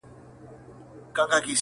چي پر معصومو جنازو مي له شیطانه سره -